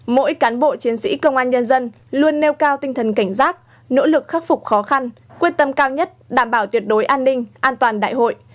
mỗi cán bộ chiến sĩ công an nhân dân luôn nêu cao tinh thần cảnh giác nỗ lực khắc phục khó khăn quyết tâm cao nhất đảm bảo tuyệt đối an ninh an toàn đại hội